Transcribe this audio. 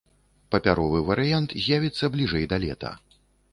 Папяровы варыянт з'явіцца бліжэй да лета.